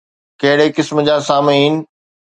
ڪهڙي قسم جا سامعين؟